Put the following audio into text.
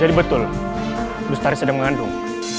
jadi betul bestari sedang mengandung